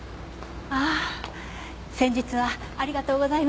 ああ先日はありがとうございました。